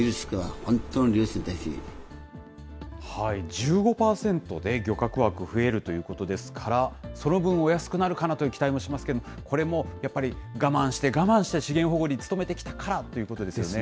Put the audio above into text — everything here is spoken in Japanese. １５％漁獲枠増えるということですから、その分、お安くなるかなという期待もしますけれども、これもやっぱり、我慢して、我慢して資源保護に努めてきたからってことですよね。